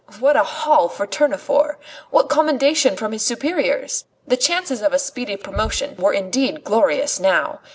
What a haul for Tournefort! What commendation from his superiors! The chances of a speedy promotion were indeed glorious now!